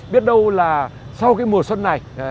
biết đâu là sau mùa xuân này